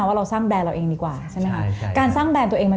จัดลยงจัดเลยดีกว่าชายครับไม่ต้องเลย